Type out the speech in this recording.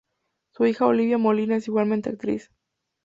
Su hija Olivia Molina es igualmente actriz.